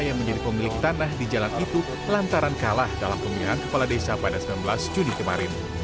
yang menjadi pemilik tanah di jalan itu lantaran kalah dalam pemilihan kepala desa pada sembilan belas juni kemarin